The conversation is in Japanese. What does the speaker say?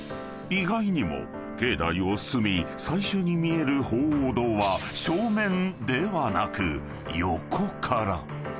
意外にも境内を進み最初に見える鳳凰堂は正面ではなく横から］